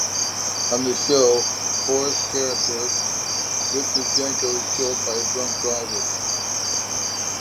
On the show, Forrest's character Richard Jenko is killed by a drunk driver.